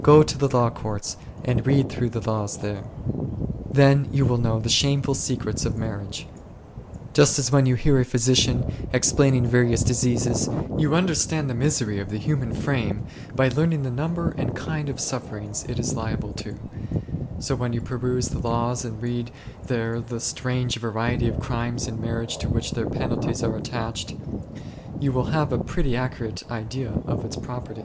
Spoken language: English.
Go to the law courts and read through the laws there; then you will know the shameful secrets of marriage. Just as when you hear a physician explaining various diseases, you understand the misery of the human frame by learning the number and the kind of sufferings it is liable to, so when you peruse the laws and read there the strange variety of crimes in marriage to which their penalties are attached, you will have a pretty accurate idea of its properties ; for the law does 1 i\ya.